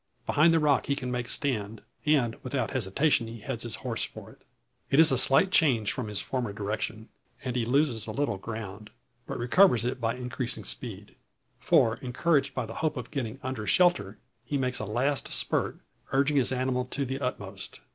Behind the rock he can make stand, and without hesitation he heads his horse for it. It is a slight change from his former direction, and he loses a little ground; but recovers it by increased speed. For encouraged by the hope of getting under shelter, he makes a last spurt, urging his animal to the utmost.